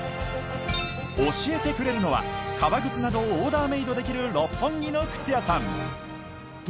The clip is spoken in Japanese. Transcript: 教えてくれるのは革靴などをオーダーメイドできる六本木の靴屋さん。